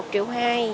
một triệu hai